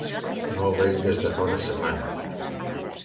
No el veig des de fa una setmana.